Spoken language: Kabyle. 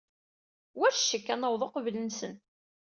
War ccek, ad naweḍ uqbel-nsen.